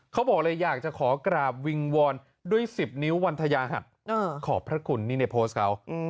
เขาบอกเลยอยากจะขอกราบวิงวอนด้วย๑๐นิ้ววันทยาหัสขอบพระคุณนี่ในโพสต์เขา